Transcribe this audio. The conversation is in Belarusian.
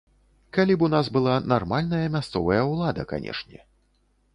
Калі б у нас была нармальная мясцовая ўлада, канешне.